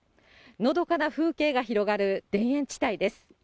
のどかな風景が広がる田園地帯です。